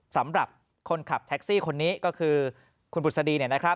สำหรับคนขับแท็กซี่คนนี้ก็คือคุณบุษดี